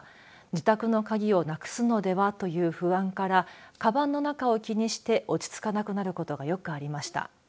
自宅の鍵をなくすのではという不安からかばんの中を気にして落ち着かなくなることがよくありました。